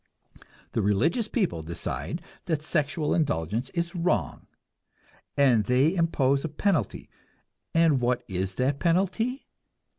The religious people decide that sexual indulgence is wrong, and they impose a penalty and what is that penalty?